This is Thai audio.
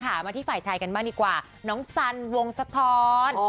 มาที่ฝ่ายชายกันบ้างดีกว่าน้องสันวงสะท้อน